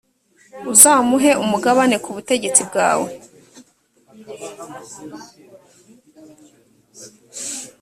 uzamuhe umugabane ku butegetsi bwawe.